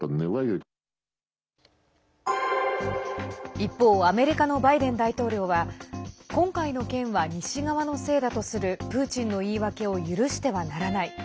一方、アメリカのバイデン大統領は今回の件は西側のせいだとするプーチンの言い訳を許してはならない。